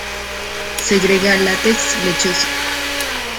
Segrega látex lechoso.